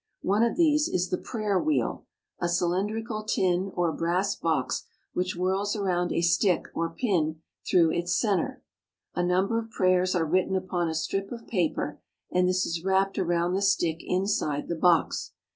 One of these is the prayer wheel, a cylindrical tin or brass box which whirls round a stick or pin through its center. A number of prayers are written upon a strip of paper, and this is wrapped around the stick Prayer Wheel, f .',,..,,,.,, mside the box.